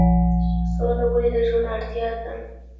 سوله ولې د ژوند اړتیا ده؟